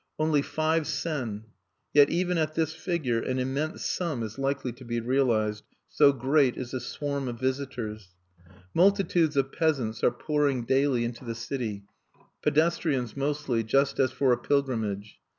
Only five sen! Yet even at this figure an immense sum is likely to be realized, so great is the swarm of visitors. Multitudes of peasants are pouring daily into the city, pedestrians mostly, just as for a pilgrimage.